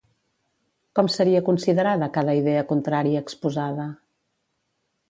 Com seria considerada cada idea contrària exposada?